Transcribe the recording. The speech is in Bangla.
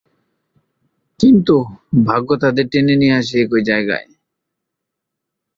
কিন্তু, ভাগ্য তাদের টেনে নিয়ে আসে একই জায়গায়।